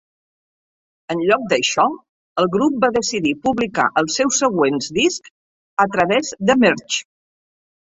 En lloc d'això, el grup va decidir publicar els seus següents discs a través de Merge.